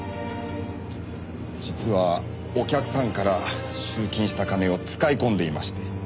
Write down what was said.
実はお客さんから集金した金を使い込んでいまして。